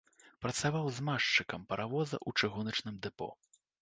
Працаваў змазчыкам паравоза ў чыгуначным дэпо.